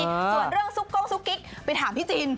ส่วนเรื่องซุกก้งซุกกิ๊กไปถามพี่จิน